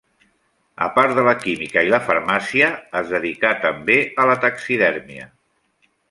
A part de la química i la farmàcia, es dedicà també a la taxidèrmia.